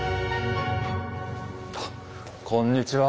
あっこんにちは。